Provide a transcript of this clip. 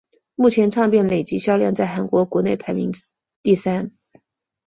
目前唱片累计销量在韩国国内排名第三。